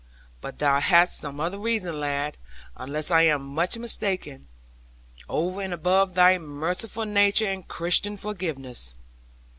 But thou hast some other reason, lad, unless I am much mistaken, over and above thy merciful nature and Christian forgiveness.